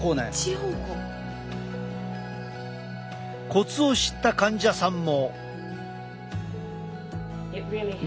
コツを知った患者さんも。